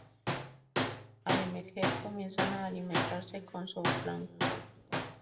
Al emerger, comienzan a alimentarse con zooplancton.